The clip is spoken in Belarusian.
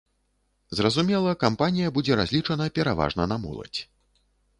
Зразумела, кампанія будзе разлічана пераважна на моладзь.